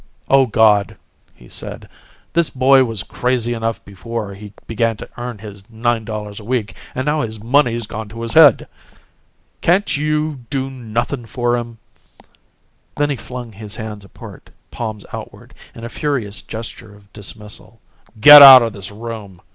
"O God," he said, "this boy was crazy enough before he began to earn his nine dollars a week, and now his money's gone to his head! Can't You do nothin' for him?" Then he flung his hands apart, palms outward, in a furious gesture of dismissal. "Get out o' this room!